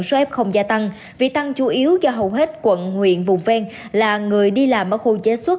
số f gia tăng vị tăng chủ yếu do hầu hết quận huyện vùng ven là người đi làm ở khu chế suất